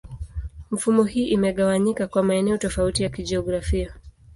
Mifumo hii imegawanyika kwa maeneo tofauti ya kijiografia.